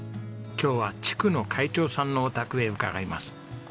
今日は地区の会長さんのお宅へ伺います。